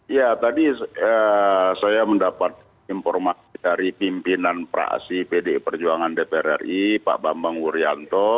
ya tadi saya mendapat informasi dari pimpinan praasi pdip pak bambang wuryanto